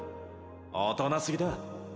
大人すぎだ